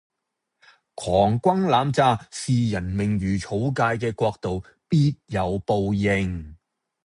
狂轟濫炸視人命如草芥嘅國度必有報應。